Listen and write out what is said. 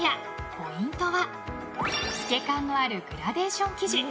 ポイントは透け感のあるグラデーション生地。